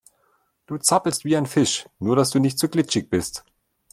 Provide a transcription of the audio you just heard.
Du zappelst wie ein Fisch, nur dass du nicht so glitschig bist.